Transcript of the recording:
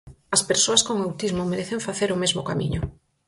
As persoas con autismo merecen facer o mesmo camiño.